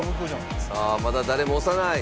さあまだ誰も押さない。